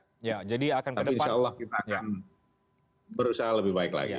tapi insya allah kita akan berusaha lebih baik lagi